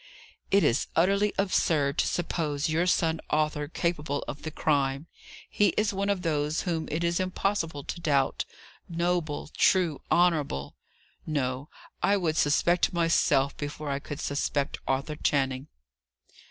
"It is utterly absurd to suppose your son Arthur capable of the crime. He is one of those whom it is impossible to doubt; noble, true, honourable! No; I would suspect myself, before I could suspect Arthur Channing."